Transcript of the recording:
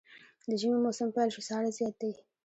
د ژمي موسم پيل شو ساړه زيات دی